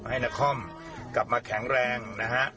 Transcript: ให้นครกลับมาแข็งแรงนะฮะ